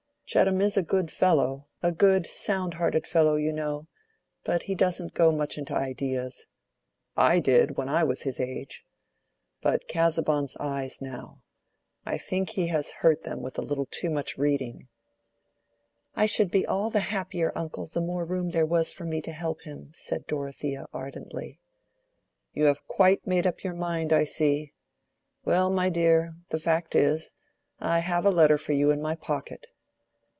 Chettam is a good fellow, a good sound hearted fellow, you know; but he doesn't go much into ideas. I did, when I was his age. But Casaubon's eyes, now. I think he has hurt them a little with too much reading." "I should be all the happier, uncle, the more room there was for me to help him," said Dorothea, ardently. "You have quite made up your mind, I see. Well, my dear, the fact is, I have a letter for you in my pocket."